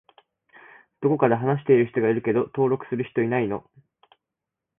どこかで話している人がいるけど登録する人いないの？